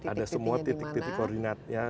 ada semua titik titik koordinatnya